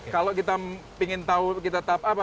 kalau kita ingin tahu kita tahap apa